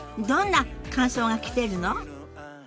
どんな感想が来てるの？